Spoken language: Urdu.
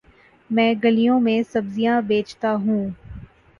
میں گلیوں میں سبزیاں بیچتا ہوں